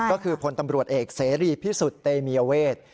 ก็คือพลตำรวจเอกเสรีพิสุทธิ์เตมียเวท